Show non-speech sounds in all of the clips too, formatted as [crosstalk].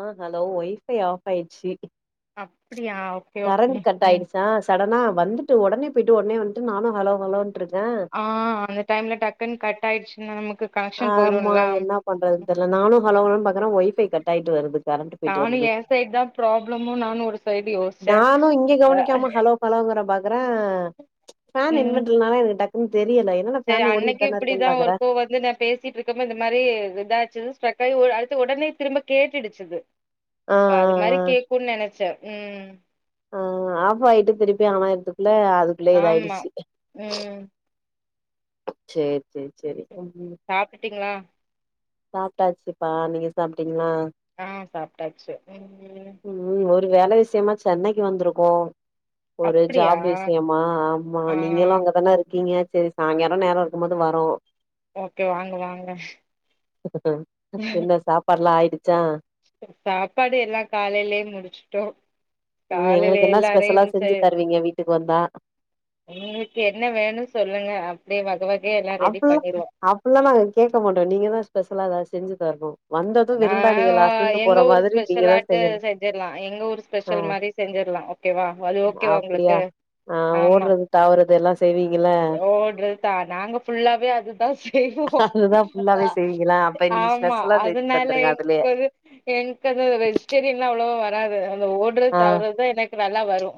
ஆஹ் hello wifi off ஆயிடுச்சு [inaudible] okay okay current cut ம். ஆயிடுச்சா சடனா வந்துட்டு உடனே வந்துட்டு நானும் ஹலோ ஹலோ ஆஹ் அந்த டைம்ல டக்குன்னு கட் ஆயிடுச்சு ம் நமக்கு கனெக்ஷன் ஆமா போயிரும்ல. என்ன பண்றதுனு ம் தெர்ல நானும் ஹலோ ஒய்ஃபை கட் ஆகிட்டு வருது கரண்ட் போயிட்டு நானும் வருது என் சைடு தான் ப்ராப்ளமும் நானும் ஒரு சைடு யோசிச்சேன். நானும் இங்க அ கவனிக்காம ஹலோ ஹாலோகிற ஹன் பேன் ம் இன்வென்டர்னால எனக்கு டக் தெரியல என்னடா சரி ஃபேன் ஓடிட்டு அன்னைக்கு தான இருக்கேன்னு இப்டிதான் பாக்குற ஒருக்கோ வந்து நான் பேசிட்டு இருக்கோ அப்ப இத மாரி இதாச்சு ஸ்டக்காகி அடுத்து உடனே திரும்ப கேட்டுடுச்சுது ஆ அப்ப அது மாரி ஆ கேக்கும்ன்னு நனைச்சே உ ஆ ஆஃப்ஆய்டு திருப்பி ஆனாயீட்டு இல்ல அதுக்குள்ளே ஆமா. இதாயிடுச்சு ம். சேரி சேரி சேரி [inaudible] சாப்ட்டுட்டீங்களா? சாப்டாச்சுப்பா நீங்க சாப்ட்டீங்களா ஆ சாப்டாச்சு உ வேலை விஷயமா சென்னைக்கு வந்திருக்கோ ஒரு அப்டியா? ஜாப் விஷயமா ஆமா ஆ நீங்களு அங்கதானே இருக்கீங்க சரி சாய்ங்கலா நேரோ இருக்கும்போது வரோ ஓகே வாங்க வாங்க என்ன சாப்பாடுலா ஆயிடு சாப்பாடு எல்லா காலைலயே முடிச்சுட்டோ உ காலையில எங்களுக்கு என்ன ஸ்பெஷலா எல்லாரையு சே செஞ்சு தருவீங்க வீட்டுக் வந்தா உங்களுக்கு என்ன வேணு சொல்லுங்க அப்டியே வ அப்புல்லா அப்புல்லா நாங்க கேக்க மாட்டோ நீங்க தா ஸ்பெஷலா எதாவ செஞ்சு தர்ணு ஆ மா எங்க ஊர் நீங்க தா ஸ்பெஷலாட்டு செய்யணு செஞ்சிரலா எங்க ஊர் ஆ ஸ்பெஷல் மாரி செஞ்சிரலா ஓகேவா அது ஓகேவா உங்களுக்கு அப்டியா ஆ ஆமா ஓடுறது தாவுறது எல்லா செய்வீங்கள ஓட்றாது தா நாங்க ஃபுல்லாவே அதுதா செய்வோ அதுதா ஆ ஃபுல்லாவே செய்வீங்களா அப்ப இன்னைக்கு ஆமா ஸ்பெஷலா அது செஞ்சு அதனால தந்துருங்க அதுலயே எங்கது எங்கது வெஜிடேரியன்லா அவ்ளவோ வராது ஓட்றது ஆ தாவ்ரது தா எனக் கு நல்லா வரு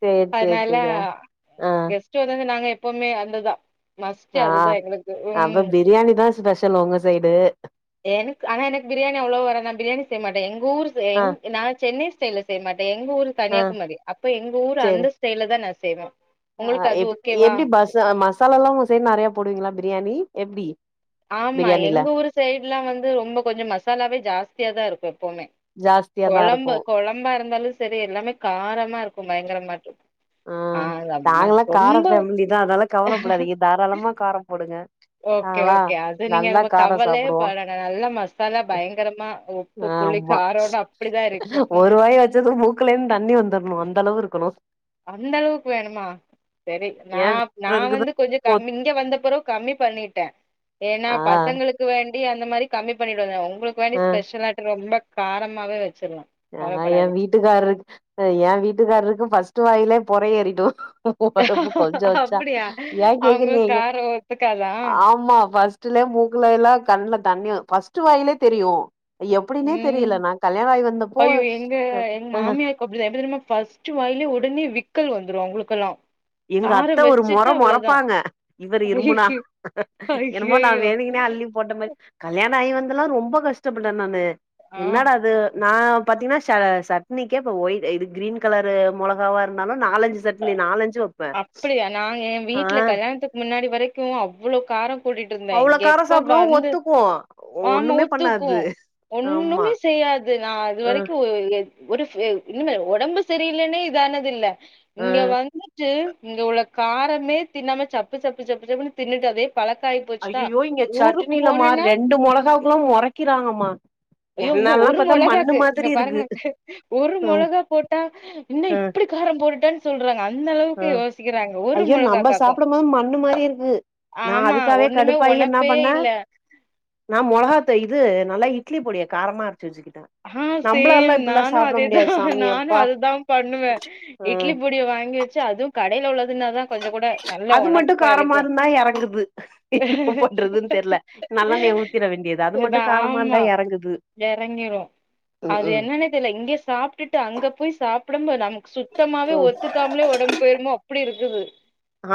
சேரி சேரி அதனால சேரி ஆ கெஸ்ட் வந்தது நாங்க ப்போவுமே அந்ததா ஆ அப்ப பிரியாணி தா ஸ்பெஷல் உங்க சைடு எனக்கு ஆனா எனக்கு பிரியாணி அவ்ளோ வராது நா பிரியாணி செய்மாட்டே எங்க ஊர் செ ஆ ந எங் சென்னை செய்ல செய்மாட் ட எங்க ஊர் ஆ கன்னியாகுமரி அப்ப எங்க ஊ சேரி அந்த சைலதா ந செய்னோ ஆ எப்பி எப்பிடி பஸ் ஆ மாஸ் தலல்லா உங்கசைடு நெறையா போடுவீங்களா பிரியாணி எப்பிடி ஆமா எங்க ஊர் சைடுல்லா வந்து ரொம்ப கொஞ்சோ மசாலாவே ஜாஸ்தியாதா இருக்கு எப்பவுமே ஜாஸ்தியா தா இருக்கு கொழம்பு கொழம்பா இருந்தாலு சரி எல்லாமே காரமா இருக் பயங்கர மாட்டு ஆ நாங்களா காரம் ஃபேமிலி தா அதால்லா கவலப்படாதிங்க தாராளமா காரோ போடுங்க நாங்களா கே அது நீங்க நல்லா எங்கப கார கவலேயே சாப்டுவோ படானா நல்லா மசாலா பயங்கரமா உப்பு புள்ளி ஆமா காரோன அப்பிடிதா இருக்கு ம் க்குலந்து தண்ணி வந்துரணு அந்த அளவு இருக்கணு அந்த அளவுக்கு வேணுமா சேரி நா ஏ நா வேற இருக்குது வந்து கொஞ்சோ போ கம்மி இங்க வந்த பிறவு கம்மி பண்ணிட்டே ஏன்னா ஆ பசங்களுக்கு வேண் தி அந்த மாரி கம்மி பண்ணிட்டுந்த உங் உங்களுக்கு வேண்டி ஆ ஸ்பெஷ்லா எட்டு ரொம்ப காரமாவே வச் ஆ ஏ வீட்டுக்காரரு ஏ வீட்டுக்காரருக்கு பஸ்ட்டு வாயிலே பொற ஏறிடு [unintelligible] பருப்பு கொஞ்சோ வச்சா அப்படியா? ஏ கேக்குறீங்க அவங்களுக்கு இங்க காரம் ஒத்துக்காதா? ஆமா பஸ் ட்டுல மூக்குல எல்லா கண்ணல தண்ணியோ பஸ் ட்டு வாயிலே தெரியு எப்பிடினே ம். தெரியல நா கல்யாண ஆயி வந்த ஐயோ எங்க எங் மாமியாருக்கு அப்பிடிதா எப்பிடி தெரியுமா பாஸ்டு வாயிலே உடனே விக் க்கல் வந்துரு அவுங்களுக்கெல்லா எங்க அத்த ஒரு மொற மொறப்பாங்க இவர் இரும்புனா ஐயையோ என்னமோ நா ஐயையோ. வேதிங்கன்னே அள்ளி போட்ட மாரி கல்யா ந இவனுதெல்லா ரொம்ப கஷ்டப்பட்டே நானு ஆ என்னடா அது ந பாத்தீங்கன்னா ச சட்நீக்கே ஒயிட் இது கிரீன் கலரு மொளகாவா இருந்தாலு நாலஞ்சி சட்னி நாலஞ் அப்பிடியா நாங்க ஏ வீட்ல கல்யாணத்துக்கு முன்னாடி வரை க்கு அவ்வளோ காரோ கூட்டிட்டு இருந்தே அவ்ளோ இங்க காரோ எப்ப சாப்டுவோ வந்து ஒத்துக்கு ஆமா ஒண்ணுமே பண்ணாது ஆமா அது நா அது அ வரைக்கு எத் ஒரு இன்மே ஒடம்பு சரியில்லன்னே இதானது இல்ல அ இங்க வந்துட்டு இங்க உள்ள காரமே தின்னாம சப்பு சப்பு சப்பு சப்புன்னு தின்னுட்டு அதே பழக்க ஆய் போச்சுதா ஐயயோ இங்க ஊருக்கு சட்னிலமா போனன்னா ரெண்டு மொளகாவுக்குல்லா மொறைக்கிறாங்கம்மா ஐயோ இங்க என்னல்லா ஒரு பாத்தா மண்ணு மொளகாக்கு இங்க மாதிரி பாருங்க இருக்கு ஒரு ம் மொளகா போட்டா இன்னு அ இப்புடி காரம் போட்டுட்டன் சொல்றாங்க அந்த அ அளவுக்கு யோசிக்கிறாங்க ஒரு ஐயோ நம்ம முழுகாக்காக்கு சாப்டும் ஆமா காவே ஒண்ணுமே கடுப்பாயி என்ன ஒனப்பே பண்ண இல்ல நா மொளகா தெ இது நால்லா இட்லி பொடிய காரமா அற ஆ சேயும் நானு சாப்ட அதேதா முடியாது சாமி நானு அப்பா அதுதாம் பண்ணுவ அ இட்லி பொடிய வாங்கி வெச்சு அதும் கடையில உள்ள அது மட்டு காரமா இருக்கு இருந்தா எறங்குது என்ன பண்றதுன் தெர்ல நல்லா நெய் ஊத்திற வேண்டிதா அது மட்டு இதா காரமா இருந்தா ஆமா எறங்குது எறங்கிரு ம் அது ம் என்னன்னே தெர்ல இங்கயே சாப்டுட்டு அங்க போய் சா சாப்புடம் போதா நம் சுத்தாவே ம் ஒத்துக்காமலே ஒடம்பு போயிருமோ அப்டி இருக் குது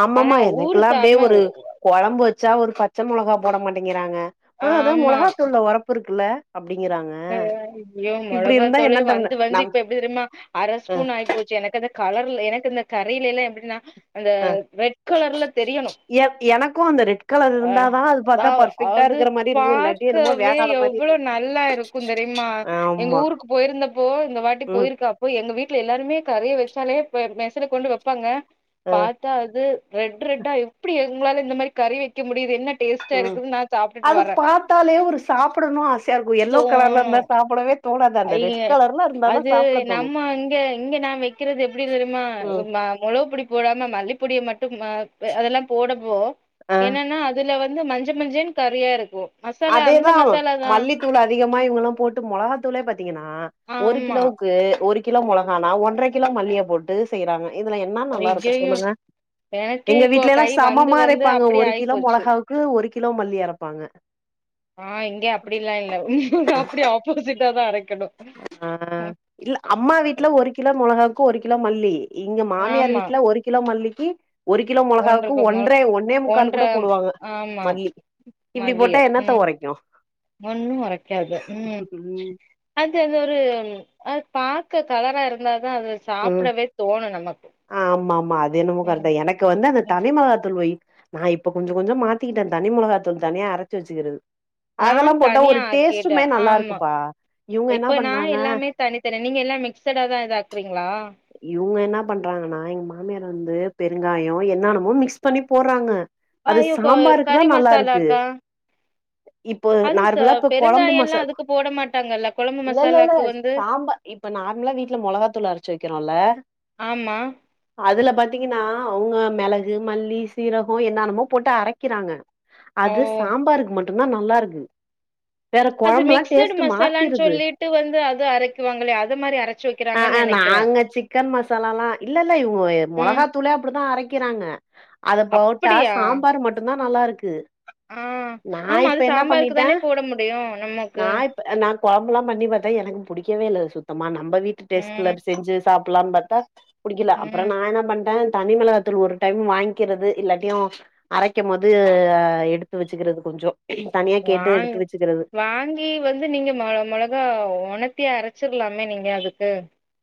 ஆமாமா எனக்கெல்லா அப்டியே ஒரு கொழம்பு வெச்சா ஒரு பத் பச்ச மொளகா போட மாட்டேங்கிறாங்க ஆ அதா மொளகாத்தூள்ல ஒரப் இருக்கு குல அ ஐயோ இருந்தா என்ன மொளகாத்தூளே தவண வந்து வந்து நம் இப்ப எப்டி தெரியுமா அர அ ஸ்பூன் ஆய் போச்சு எனக்கு அந்த கலர்ல எனக்கு அந்த கரையிலல்லா எப்டின்னா அந்த அ ரெட் கலர்ல தெரியணு எ எனக்கு அந்த ரெட் கலர் அ இருந்தாதா அது பாத்தா பர்ஃபெக்ட்டா அது இருக்கிற மாரி இருக்கு இல்லாட்டி என்னமோ பாக்கவே வேகாத மாரி எவ்வளோ இருக்கு நல்லா இருக் தெரியுமா எங்க ஆமா ஊருக்கு போயிருந்தப்போ இந்த வாட்டி ம் போயிருக்காப்போ எங்க வீட்ல எல்லாருமே கரைய வெச் ச்சாலையே மெஸ்சுல கொண்டு வெப்பாங்க அ பாத்தா அது ரெட் ரெட்டா எப்புடி இவுங்களால இந்த மாரி கரைய வெக்க முடியுது என்ன டேஸ்ட்டா ம் இருக்குது நா சாப்ட்டுட்டு அது வரே பாத்தாலே ஒரு சாப்புடணு ஆசையா இருக்கு எல்லோ கலர்ல இருந்தா சாப்புடவே தோ ஐய்ய அது தோணு நம்ம இங்க இங்க நா வெக்கிறது எப்டி தெரிமா இங்க ம் மா மொளவு பொடி போடாம மல்லிப் பொடிய மட்டும் அ பே அதெல்லா போடபோ ஆ என்னனா அதுல வந் இங்கு மஞ்ச மஞ்சேன்னு கறியாருக்கும் அதேதா மல்லித்தூள் அதிகமா இவுங்கள்லா போட்டு மொளகா தூலே பத் திங்கனா ஒரு ஆமா கிலோவுக்கு ஒரு கிலோ மொளகானா ஒன்ற கிலோ மல்லிய போட்டு செய்றாங்க இதுல என்ன நல்லாருக்கு ஐயையோ சொல்லுங்க எனக்கே எங்க இப்போ வீட்ல எல்லா கை வந்து சமமா வந்து அரைப்பாங்க அப்டி ஒரு ஆயி கிலோ போச்சு மொளகாவுக்கு ஒருக் கிலோ மல்லி அரப்பாங்க ஆ இங்க அப்டியெல்லா இல்ல உங்ளுக்கு அப்டி ஆப்போசிட்டாதா அரைக்கணு ஆ கு ஒரு கிலோ மல்லி இங்க மாமியார் ஆமா வீட்ல ஒரு கிலோ மல்லி கி ஒரு கிலோ மொளகாவுக்கு ஒன்றுக்கு மொ ஒன்றே ஒன்னே முக்கால் ஒன்ற கூட போடுவாங்க ஆமா மல்லி இப்டி மல்லிய போட்டா என்னத் ம் ஒன்னு ஒரைக்காது ம் அது அது ஒரு அத் பாக்க கலரா இருந்தா தா அது ம் சாப்டவே தோணும் நமக்கு ஆமா ஆமா அது என்னமே கரெட் ம் தா எனக்கு வந்து அந்த ம் தனி மொளகா தூள் வை நா இப்ப கொஞ்சோ கொஞ்சோ மாத்திக்கிட்ட தனி மொளகாத்தூள் தனியா அரைச்சு வச்சுக்கிறது அதெல்லா நான் போட்டா தனியா ஒரு ஆக்கிட்ட டேஸ்ட்டுமே நல்லா ஆமா இருக்குப்பா இவுங்க என்ன இப்ப நா பண்றாங்க எல்லாமே தனிதனி நீங்க எல்லா மிக்சடா தா இதா ஆக்றீங்ளா இவுங்க என்ன பண்றாங்கன்னா எங்க மாமியார் வந்து பெருங்காயோ என்னென்னமோ மிக்ஸ் பண்ணி போட்றாங்க அது ஐயோ கொ சாம்பாருக்குதா கறி நல்லாருக்கு மசாலாக்கா இப்ப அது ச நார்மலா இப்ப கொழம்பு பெருங்காய மச எல்லா அதுக்கு போட மாட்டாங்கல்ல கொழம்பு இல்லல்லல்ல மசாலாக்கு வந்து சாம்பார் இப்ப நார்மலா வீட்ல மொளகா தூளா அரச் வெக்கிறோல ஆமா ஆ அதுல பாத்தீங்கனா அவுங்க மெளகு மல்லி சீரகோ என்னென்னமோ போட்டு அரைக்கிறாங்க ஓ அது சாம்பாருக்கு மட் டுன்னா நல்லாருக்கு அது மிக்சட் மசாலான்னு சொல்லிட்டு வந்து அது அரைக்குவாங்களே அது மாரி அரைச்சு அ வைக்கிறாங்கன்னு அ நெனைக் நாங்க சிக்கன் மசாலாலா இல்லல்ல இவுங்க ஏ ம் மொளகா தூளே அப்டு தா அரைக்கிறாங்க அத போட்டா அப்படியா சாம்பார் மட்டும்தான் நல்லா இருக்கு ஆ நா ஆமா அது இப்ப என்ன சாம்பாருக்கு தானே பண்ணிட்டேன் போட முடியு நமக்கு நா இப்ப நா குழம்புல்லாம் பண்ணி பார்த்தேன் எனக் புடிக்கவே இல்ல சுத்தமா நா நம்ம வீட்டு டெஸ் ம் புல்லா செஞ்சு சாப் ப்பலாம்னு பார்த்த புடிக்கல அப்புறம் ம் நா என்ன பண்டேன் தனிமெளகதூள் ஒரு டைம் வாங்கிக்கிறது இல்லாட்டையும் அரைக்கும் போது எடுத்து வச்சுக்கிறது கொஞ்சம் வாங் வாங்கி வந்து நீங்க ம மிளகா உணத்திய அரைச் வச்சிருலமே நீங்க அதுக்கு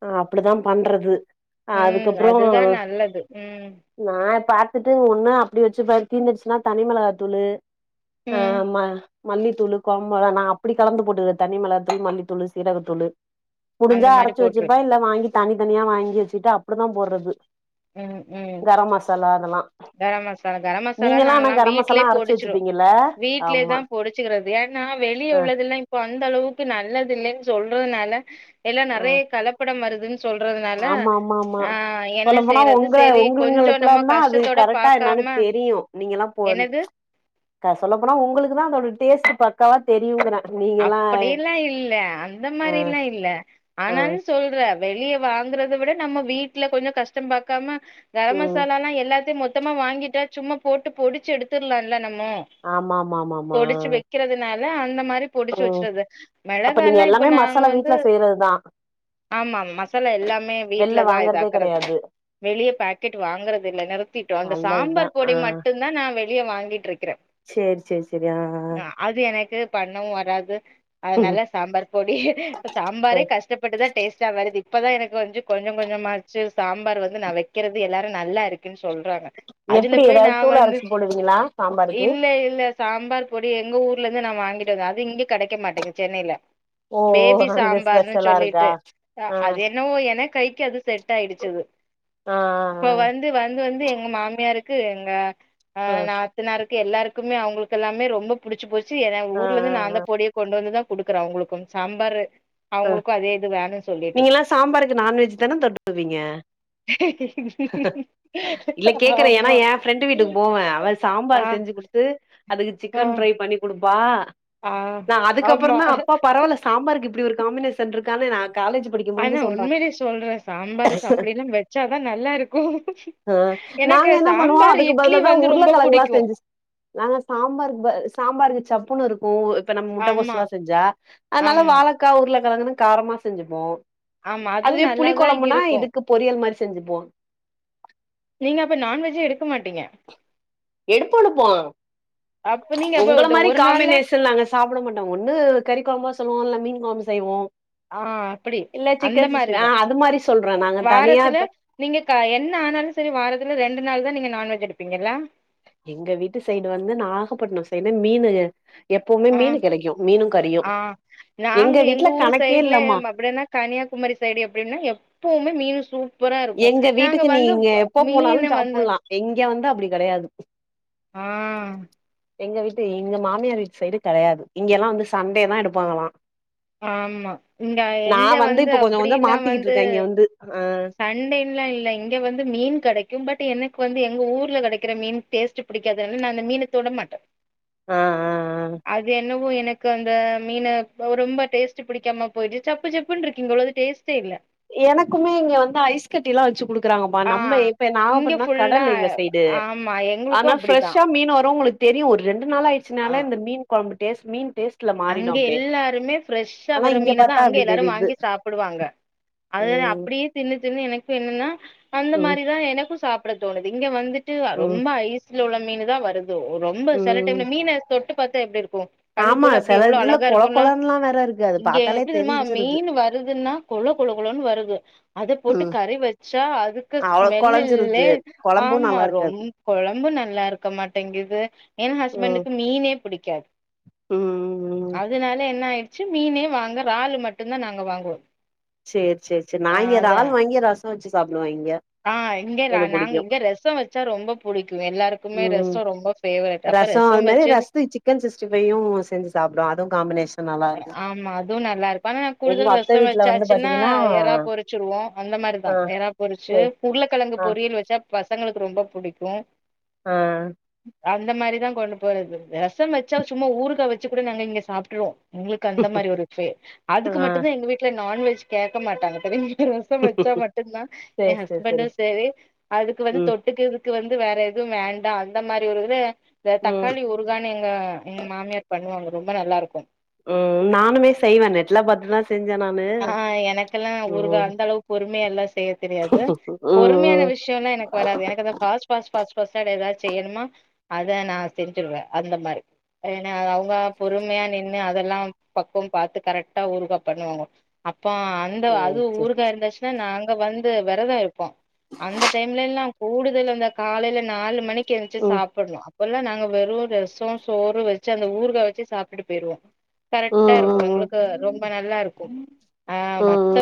அ அப்டிதா பண்றது ம் அதுக்கப்புறம் அதுதா நல்லது ம் நான் பா ட்டு ஒண்ணு அப்டி வச்சு தீர்தந்துச்சுன்னா தனி மிளகாத்தூளு ஹ் ம் ஆமா மல்லித்தூளு குழம்பு மெளகா அப்படி கலந்து போட்டுக்கிறேன் தனி மிளக தூளு மல்லித்தூளு சீரகத்தூளு அந்த முடிஞ்சா அர் மாரி போட்ருது துபாய்ல வாங்கிட்டு வந்து தனி தனியா வாங்கி வச்சுட்டு அப்புறம் தான் போடுறது ம் ம் கரம் மசாலா கரம் மசாலா நீங்கல்லா நான் ஆனா எல்லாம் கரம் மசாலா வீடலேயே அரச்சு பொடிச்சிடும் வச்சுப்பீங்கல்ல ஆமா வீட்லயேதான் பொடிச்சுக்கிறது ஏன்னா வெளியே அ உள்ளத எல்லாம் இப்ப அந்த அளவுக்கு நல்லது இல்லன்னு சொல்றதுனால ல்லாம் அ நிறைய கலப்படம் வருது சொல்றதுனால ஆஹ என்ன அப்பனா செய்யறது உங்க செரி கொஞ்சோ நம்ம உங்களுக்கல்லாம் தான் அது கஷ்டத்தோட கரெக்டா என்னன்னு பாக்காம தெரியும் நீங்க எல்லாம் போ என்னது சொல்ல போனா உங்களுக்கு தான் அதோட டேஸ்ட் பக்காவா தெரியுங்கற அப்படியெல்லாம் இல்ல அந்த அ மாதிரில்லாம் இல்ல அ ஆனாலும் சொல்ற வெளிய வாங்கறத விட நம்ம வீட்டுல கொஞ்சம் கஷ்டம் பாக்காம கரம் ம் மசால்லலா எல்லாத்தையும் மொத் ட்டம்மா வாங்கிட்டா சும்மா போட்டு பொடுச்சு எடுத்துர்லா இல்ல நம் மு ஆமா ஆமா ஆமா ஆமா பொடுச்சு வெக்கிறதுனால் ல அந்த மாரி பொறுப்பு ம் வெச்சது அப்ப நீங்க மெளகாளா இப்ப எல்லாமே நாங்க மசாலா வந்து வீட்ல செய்யறதுதா ஆமா மசாலா எல்லாமே வெள்ல வீட்லதா இது வாங்கறதே அக்கறல் கெடையாது வெளிய பேக்கெட் வாங்குறது இல்ல நிருத்திட்டோ அந்த நல்லதுதா சாம்பார் ஆ பொடி மட்டுந்தா நா வெளி வெளிய வாங்கிட்ருக் சேரி சேரி சேரி ஆ ஆ அது எனக்கு பண்ணவு வர் ராது அதனால சாம்பார் பொடி சாம்பாரே கஷ்டப்பட்டுதா டேஸ்ட்டா வருது இப்பதா எனக்கு வந்து கொஞ்சம் கொஞ்ச கொஞ்சமாச்சு சாம்பார் வந்து நா வெக்கிறது எல்லாரு நல்லா இருக்குன்ஸ் சொல்றாங்க அதுல எப்டி போய் நா ஏதாவது தூள் வந்து அரச்சு போடுவீங்களா சாம்பாருக்கு இல்ல இல்ல சாம்பார் பொடி எங்க ஊர் ர்ல இருந்து நா வாங்கிட்டு வந்த அத து இங்க கெடைக்க மாட்டேங்குது சென்னையில ஓ பேபி அங்க சாம்பார்ன்னு ஸ்பெஷலா சொல்லிட்டு இருக்கா ஆ அது என்னவோ என்ன கை கே அது செட் ஆயிடுச்சு அது ஆ இப்ப வந்து வந்து வந்து எங்க மாமியாரு க்கு எங்க ஆ நாத்தனாரு கு எல்லாருக்குமே அவங்களுக்கு எல்லாமே ரொம்ப புடுச்சு போச் சு ஏனா ஆ ஊர்ல இருந்து நா ல பொடிய கொண்டு வந்தது குடுக்குற அவங்களுக்கும் சாம்பாரு அ அவங்களுக்கும் அதே இது வேணுன்னு சொல்லிட்டு நீங்க எல்லா சாம்பாருக்கு நான்வெஜ் தான தொட்டுக்கு வீங்க இல்ல கேக்குற ஏன்னா ஆமா என் ஃப்ரெண்டு வீட்டுக்கு போவ அவ ஆ சாம்பார் செஞ்சு குடுத்து அதுக்கு ஆ சிக்கன் ஃப்ரை பண்ணி குடு ப்பா ஆ நா ஆமா அதுக்கப்புறோந்தா அப்பா பரவால்ல சாம்பாருக்கு இப் காமினேஷன் இருக்கானு நா காலேஜ் படிக்கும் ஆனா போது சொல்ற உண்மையிலயே சொல்றே சாம்பாருக்கு அப்படில்லா வச்சாதா நல்லா இருக்கு அ எனக்கு நாங்க என்ன பண்ணுவோ சாம்பார் அதுக்கு இட்லி பதிலாதா வந்து ரொம்ப உருளக்கெழங்குளா புடிக்கு செஞ்சுஸ் நாங்க சாம்பாருக்கு ப சாம்பாருக்கு சப் பொண்ணு இருக்கு இப்ப நம்ம முட்ட ஆமா கோஸ்ல்லா செஞ்சா அதனால ஆமா வாழ ஆ உருளக்கெழங்குனு காரமா செஞ்சுப்போ ஆமா அதுவு அதுவே புளிக் நல்லாதா கொழம்புனா இருக்கு இதுக்கு பொரியல் மாரி செஞ்சுப்போ நீங்க அப்ப நான்வெஜ்ஜே எடுக்க மாட்டீங்க எடுப்போ எடுப்போ அப்ப நீங்க அப்ப உங்கள ஒரு மாரி ஒரு நாள்ல காம்பினேஷன்ல நாங்க சாப்ட மாட்டோ ஒன்னு கறிக்கொழம்பா செய்வோ இல்ல மீன் கொழம்பு செய்வோ ஆ அப்படி இல்ல அந்த சிக்கன் சிக்ஸ்டி ஆ மாரிதா அது மாரி சொல்றே நாங்க தனியா வாரத்துல இப்ப நீங்க க என்ன ஆனாலு சரி வாரத்துல ரெண்டு நாள்தா நீங்க நான்வெஜ் எடுப்பீங்கல்லா எங்க வீட்டு சைடு வந்து நாகப்பட்னோ சைடு னா மீனு எப்பவுமே ஆ மீனு கெடைக்கு மீனு கறியு ஆ நாங்க எங்க வீட்ல ஊர் கணக்கே சைடுல இல்லம்மா ம் அப்படினா கன்னியாகுமரி சைடு எப்டின்னா எப்பவுமே மீனு சூ எங்க வீட்டுக்கு நீங்க எப்ப போனாலு மீன வந்து சாப்புட்லா இங்க வந்து அப்டி கெடையாது ஆ எங்க வீட்ல எங்க மாமியார் வீட்டு சைடு கெடையாது இங்க எல்லா வந்து சண்டேதா எடுப்பாங்களா ஆமா இங்க நா இங்க வந்து இப்ப கொஞ்ச அப்பிடி கொஞ்ச எல்லா மாத்திக்கிட்டு வந்து இருக்கே இங்க வந்து ஆ சண்டே இல்ல இல்ல இங்க வந்து மீன் கெடைக்கு பட் எனக்கு வந்து எங்க ஊர்ல கெடைக்கிற மீன் டேஸ்ட் பிடிக்காது அதனால நானு அந்த மீன தொட மாட்டே ஆ ஆ ஆ அது என்ன வோ எனக்கு அந்த மீன ஒ ரொம்ப டேஸ்ட்டு பிடிக்காம போயிட்டு சப்பு சப்புனு இருக்கு இங்க உள்ளது டேஸ்ட் எனக்குமே இங்க வந்து ஐஸ் கட்டி எல்லா வச்சு குடுக்குறாங்க ப்பா ஆ நம்ம இப்ப இங்க நாகப்பட்னோ ஃபுல்லா கடலு எங்க சைடு ஆமா எங்களுக்கு அதனா அப்டிதா ஃபிரெஷ்ஷா மீனு வரு ஆ உங்களுக்கு தெரியு ஒரு ரெண் டு நாளு ஆ ஆயிடுச்சுனாலே அந்த மீன் கொழம்பு டேஸ்ட் மீன் டேஸ்ட் அங்க எல்லாருமே ஃப்ரெஷ்ஷா ஆனா வர இங்க மீனதா பாத்தா அங்க அப்டி எல்லாரு தெரியுது வாங்கி சாப்புடுவாங்க அதுல தா ம் அப்படியே தின்னு தின்னு எனக்கு என்னனா அந்த ம் மாரிதா எனக்கு சாப் சாப்ட தோணுது இங்க வந்துட் டு ம் ரொம்ப ஐஸ் தல உள்ள மீன்னுதா வருது து ரொம்ப செல ம் டைம்ல மீன்னு தொட் தொட்டு பாத்தா எப்டி இருக் கு கல்லு ஆமா போல எப்டி செல எவ்ளோ இதுல அழகா கொல இருக்குன்லா கொலன்லா வேற இருக்கு அது இங்க பாத்தாலே எப்டி தெரியுமா தெரிஞ்சிருது மீனு வருதுன்னா கொழ கொழ கொழன்னு வருது அத போட்டு ம் கறி வெச்சா அதுக்கு அவ்ளோ ஸ்மெல் கொலஞ்சிருது இல்லே கொழம்பு ஆமா நல்லா ரொம் இருக்காது கொழம்பு நல்லா இருக்க மாட்டேங்குது என் ம் ஹஸ்பண்டுக்கு மீனே புடிக்காது ம் ம் அதனால என்ன ஆயிட் ச்சு மீனே வாங்க றாலு மட்டுந்தா நாங்க வாங்குவோ சேர் சேர் சேர் நா ஆ இங்க அத றால் வாங்கி ரசோ வெச்சு சாப்புடுவ இங்க ஆ இங்க நா எனக்கு நாங்க புடிக்கு இங்க ரசோ வெச்சா ரொம்ப புடிக்கு எல்லாருக்குமே ம் ரசோ ரொம்ப பேவரெட் அப்ப ரசோ அது ரசோம் மாரி வெச்சு ரசத்துக்கு காமினேஷ் ஆமா அதுவு நல்லா இருக்கு ஆனா நா எங்க கூடுதல் அத்த ரசோ வீட்ல வெச் வந்து சாச்சுன்னா பாத்தீங்கன்னா எறா பொறுச்சுருவோ அந்த ஆ மாரிதா எறா பொறுச்சு சேரி உருளக்கெழங்கு ஆ பொரியல் வெச்சா பஸ் பசங்களுக்கு ரொம்பா புடிக்கு ஆ அந்த மாரிதா கொண்டு போறது ரசம் வெச்சா சும்மா ஊறுகா வெச்சு கூட நாங்க இங்க சாப்ட்ருவோ உங்களுக்கு அந்த மாரி ஒரு பே ஆ அதுக்கு மட்டுமே எங்க வீட்ல நான்வெஜ் கேக்க மாட்டாங்க இப்பவே து ரசோ வெச்சா மட்டுந்தா சேரி என சேரி ஹஸ்பண்டு சேரி அதுக்கு வந்து ம் தொட்டுக்குறதுக்கு வந் ந்து வேற எதும் வேண்டா அந்த மாரி ஒரு இது இந்த ம் தக்காளி ஊறுகான் எங்க எங்க மாமியார் பண்ணுவாங்க ரொம்ப நல்லா இருக்கு ம் நானுமே செய்வ நெட்ல பாத்துலா செஞ் ஆ எனக்கெல்லா ஊறுகா அந்த அளவு பொறுமையா எல்லா செய்ய தெரியாது பொறுமையான ம் விஷ்யோ எல்லா எனக்கு வராது எனக்கு அந்த பாஸ்ட் பாஸ்ட் பாஸ்ட் பாஸ்ட் [unintelligible] செய்யணுமா அத நா செஞ்சுருவ அந்த மாரி ஏனா அவங்க பொறுமையா நின்னு அதெல்லாம் பக்குவம் பாத்து கரெக்டா ஊறுகா பண்ணுவாங்க இப்ப அந்த அது ம் சேரி சேரி ஊறுகா இருந்துச்சுன்னா நாங்க வந் து வெரதோ இருப் போ அந்த டைம்லியெல்லா கூடுதல் அந்த காலையில நாலு மணிக்கு கெஞ்சி ம் சாப்பிடணும் எல்லாம் நாங்க வெறும் ரசம் சோறு வச்சு அந்த ஊறுகாய் வச்சு சாப்பிட்டு போயிடுவோம் கரெக்டா ம் ம் இருக்கும் எங்களுக்கு ரொம்ப நல்லா இருக்கும் சரி உம் உம்